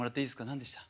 何でした？